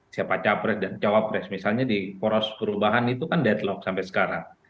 siapa capres dan cawapres misalnya di poros perubahan itu kan deadlock sampai sekarang